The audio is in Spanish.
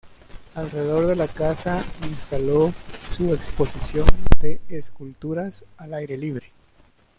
Alrededor de la casa instaló su exposición de esculturas al aire libre.